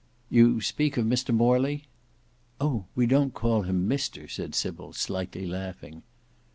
"You speak of Mr Morley—" "Oh! we don't call him 'Mr'," said Sybil slightly laughing.